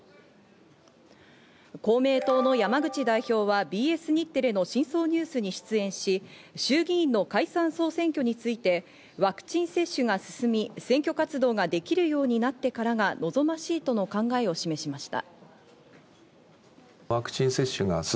公明党の山口代表はＢＳ日テレの『深層ＮＥＷＳ』に出演し、衆議院の解散総選挙についてワクチン接種が進み、選挙活動ができるようになってからが望ましいとの考えを示しました。